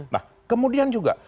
nah kemudian juga